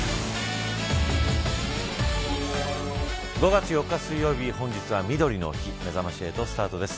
５月４日水曜日本日は、みどりの日めざまし８スタートです。